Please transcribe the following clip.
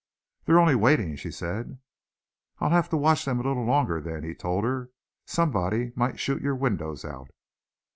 "They're only waiting," she said. "I'll have to watch them a little longer, then," he told her; "somebody might shoot your windows out."